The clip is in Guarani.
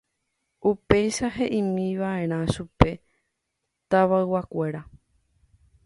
Upéicha he'ímiva'erã chupe tavayguakuéra.